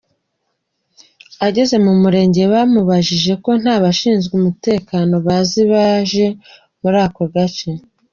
Ageze ku Murenge bamubwiye ko nta bashinzwe umutekano bazi baje muri ako gace!